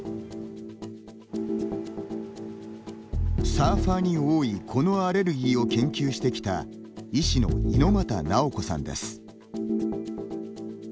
サーファーに多いこのアレルギーを研究してきた医師の猪又直子さんです。